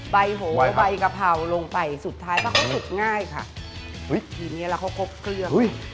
ใบโหใบกะเภาลงไปสุดท้ายปะเขาจุบง่ายค่ะคือนี้อะไรเขาคบเครื่อง